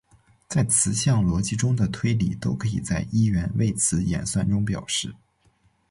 在词项逻辑中的推理都可以在一元谓词演算中表示。